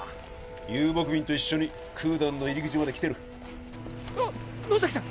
遊牧民と一緒にクーダンの入り口まで来てるあっ野崎さん！